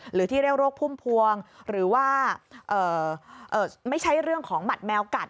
หรือที่เรียกโรคพุ่มพวงหรือว่าไม่ใช่เรื่องของหมัดแมวกัด